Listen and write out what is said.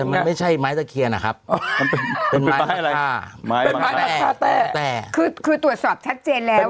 แต่มันไม่ใช่ไม้ตะเคียนอ่ะครับเป็นไม้มาฆ่าแต้คือตรวจสอบชัดเจนแล้ว